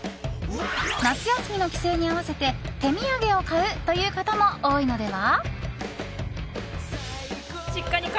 夏休みの帰省に合わせて手土産を買うという方も多いのでは？